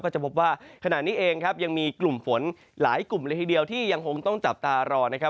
จะพบว่าขณะนี้เองครับยังมีกลุ่มฝนหลายกลุ่มเลยทีเดียวที่ยังคงต้องจับตารอนะครับ